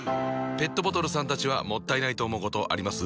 ペットボトルさんたちはもったいないと思うことあります？